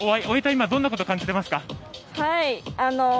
終えた今どんなことを感じていますか。